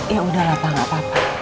ya udah lah pak gak apa apa